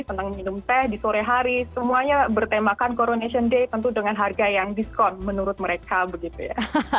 senang minum teh di sore hari semuanya bertemakan coronation day tentu dengan harga yang diskon menurut mereka begitu ya